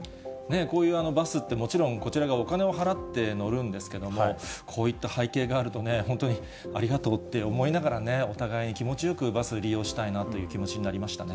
こういうバスって、もちろんこちらがお金を払って乗るんですけれども、こういった背景があるとね、本当にありがとうって思いながらね、お互いに気持ちよくバス利用したいなという気持ちになりましたね。